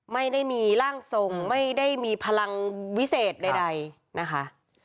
ไม่ได้มีร่างทรงไม่ได้มีพลังวิเศษใดนะคะ